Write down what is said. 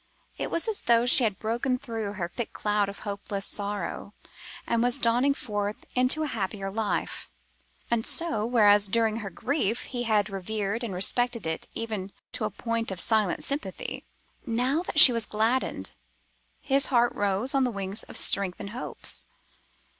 It was as though she had broken through her thick cloud of hopeless sorrow, and was dawning forth into a happier life. And so, whereas during her grief, he had revered and respected it even to a point of silent sympathy, now that she was gladdened, his heart rose on the wings of strengthened hopes.